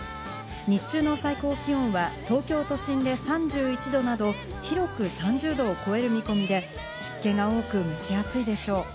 日中の最高気温は東京都心で３１度など広く３０度を超える見込みで、湿気が多く、蒸し暑いでしょう。